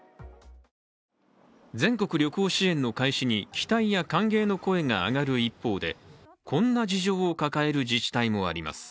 全国旅行支援の開始に期待や歓迎の声が上がる一方でこんな事情を抱える自治体もあります。